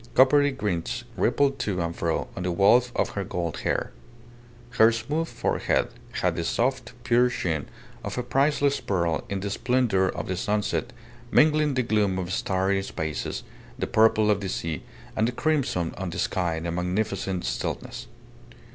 Coppery glints rippled to and fro on the wealth of her gold hair. Her smooth forehead had the soft, pure sheen of a priceless pearl in the splendour of the sunset, mingling the gloom of starry spaces, the purple of the sea, and the crimson of the sky in a magnificent stillness.